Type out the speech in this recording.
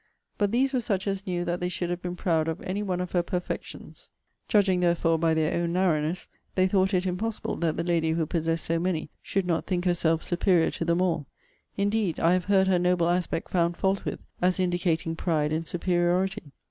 But these were such as knew that they should have been proud of any one of her perfections: judging therefore by their own narrowness, they thought it impossible that the lady who possessed so many, should not think herself superior to them all. Indeed, I have heard her noble aspect found fault with, as indicating pride and superiority.